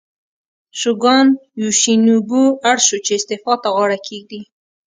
شوګان یوشینوبو اړ شو چې استعفا ته غاړه کېږدي.